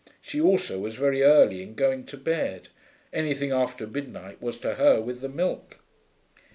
She also was very early in going to bed: anything after midnight was to her with the milk.